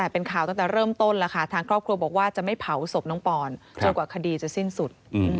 เป็นข่าวตั้งแต่เริ่มต้นแล้วค่ะทางครอบครัวบอกว่าจะไม่เผาศพน้องปอนจนกว่าคดีจะสิ้นสุด